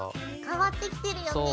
変わってきてるよね。